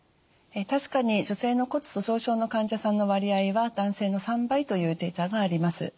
確かに女性の骨粗しょう症の患者さんの割合は男性の３倍というデータがあります。